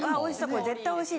これ絶対おいしい。